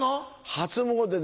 初詣で